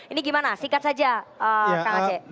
ini gimana singkat saja kang aceh